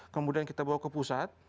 kemudian kita bawa ke pusat